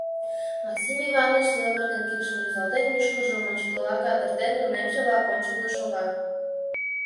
Максим Иванович, лывыргын кидшым рӱзалтен, мӱшкыржым ончыкыла кадыртен, тунемше-влак ончылно шога.